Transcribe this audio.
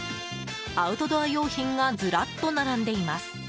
アウトドア用品がずらっと並んでいます。